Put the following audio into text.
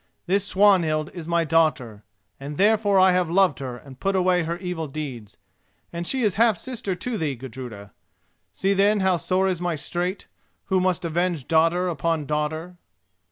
This Swanhild is my daughter, and therefore I have loved her and put away her evil deeds, and she is half sister to thee, Gudruda. See, then, how sore is my straight, who must avenge daughter upon daughter."